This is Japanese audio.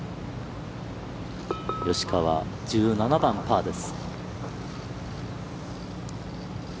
吉川、１７番、パーです。